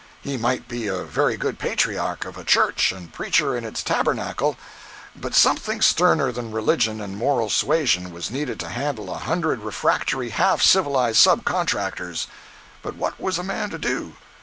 He might be a very good patriarch of a church and preacher in its tabernacle, but something sterner than religion and moral suasion was needed to handle a hundred refractory, half civilized sub contractors. But what was a man to do?